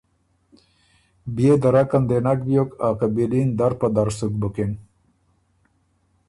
بيې درک ان دې نک بیوک۔ ا قبیلي ن در په در سُک بُکِن،